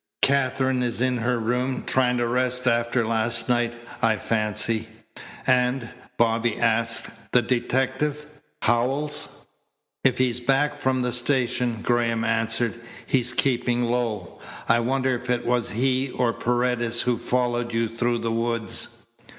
Katherine is in her room, trying to rest after last night, I fancy." "And," Bobby asked, "the detective Howells?" "If he's back from the station," Graham answered, "he's keeping low. I wonder if it was he or Paredes who followed you through the woods?"